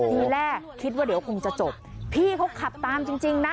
ทีแรกคิดว่าเดี๋ยวคงจะจบพี่เขาขับตามจริงนะ